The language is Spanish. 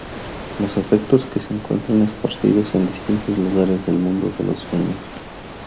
Los efectos que encuentran esparcidos en distintos lugares del mundo de los sueños.